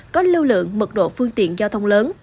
có lưu lượng mật độ phương tiện giao thông lớn